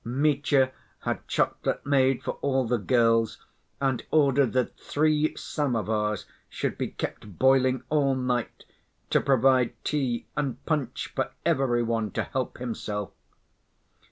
Mitya had chocolate made for all the girls, and ordered that three samovars should be kept boiling all night to provide tea and punch for everyone to help himself.